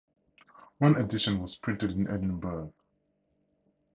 One edition was printed in Edinburgh.